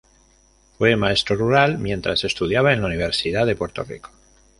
Fue maestro rural mientras estudiaba en la Universidad de Puerto Rico.